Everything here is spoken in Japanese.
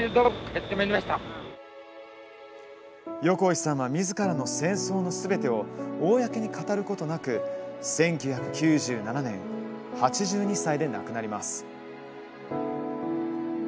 横井さんはみずからの戦争のすべてを公に語ることなく１９９７年８２歳で亡くなります。